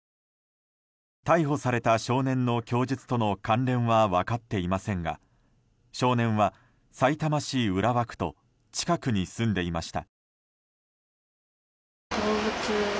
逮捕された少年との供述は分かっていませんが少年は、さいたま市浦和区と近くに住んでいました。